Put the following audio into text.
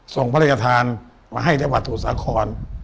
ส่งพระราชทานมาให้จังหวัดสมุทรสาคร